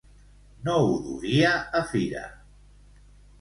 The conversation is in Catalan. No ho duria a fira.